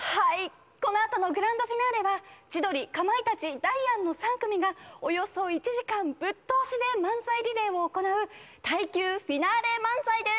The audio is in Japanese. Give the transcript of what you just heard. このあとのグランドフィナーレは千鳥、かまいたち、ダイアンの３組がおよそ１時間、ぶっ通しで漫才リレーを行う耐久フィナーレ漫才です。